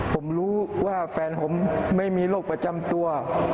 ผมรู้ว่าแฟนผมไม่มีโรคประจำตัว